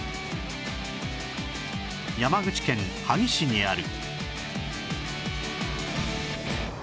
山口県萩市にある